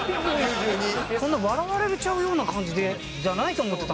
そんな笑われちゃうような感じでじゃないと思ってた。